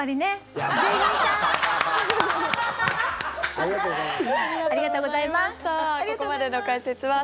ありがとうございます。